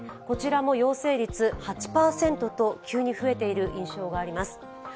こちらも陽性率８％と急に増えている印象があります。